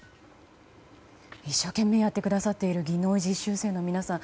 一生懸命やってくださっている技能実習生の皆さん